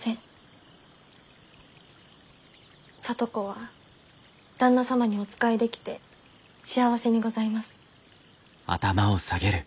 聡子は旦那様にお仕えできて幸せにございます。